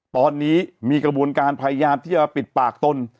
ตอนนี้มีกระบวนการพยายามที่จะปิดปากตน